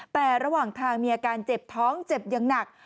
แต่ระหว่างทางมีอาการเจ็บท้องเจ็บอย่างหนัก